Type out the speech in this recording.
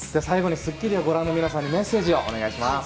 『スッキリ』をご覧の皆さんにメッセージをお願いします。